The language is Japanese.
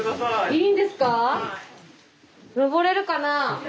登れるかなあ？